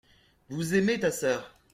Vous aimez ta sœur.